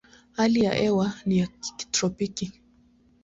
Hali ya hewa ni ya kitropiki.